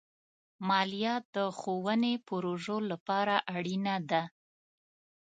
مالیه د ښوونې پروژو لپاره اړینه ده.